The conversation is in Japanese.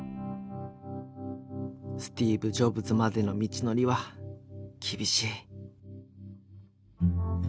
スティーブ・ジョブズまでの道のりは厳しい。